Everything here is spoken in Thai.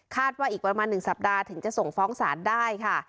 ว่าอีกประมาณ๑สัปดาห์ถึงจะส่งฟ้องศาลได้ค่ะ